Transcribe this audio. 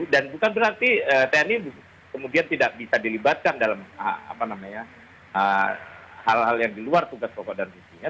dan bukan berarti tni kemudian tidak bisa dilibatkan dalam hal hal yang di luar tugas pokok dan fungsinya